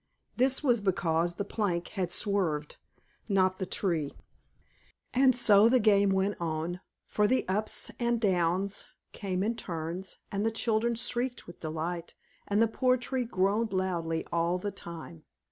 This was because the plank had swerved, not the Tree. And so the game went on; for the ups and downs came in turns, and the children shrieked with delight, and the poor Tree groaned loudly all the time.